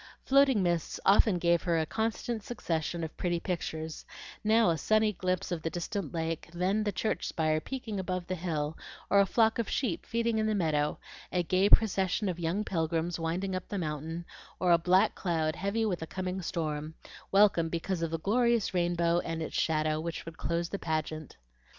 Floating mists often gave her a constant succession of pretty pictures; now a sunny glimpse of the distant lake, then the church spire peeping above the hill, or a flock of sheep feeding in the meadow, a gay procession of young pilgrims winding up the mountain, or a black cloud heavy with a coming storm, welcome because of the glorious rainbow and its shadow which would close the pageant.